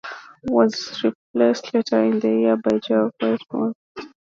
Renwick was replaced later in the year by Geoff Whitehorn.